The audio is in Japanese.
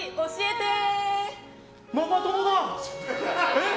えっ？